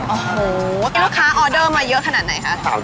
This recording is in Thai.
โอ้โหกินลูกค้าออเดอร์มาเยอะขนาดไหนคะ